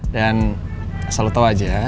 dan selalu tau aja ya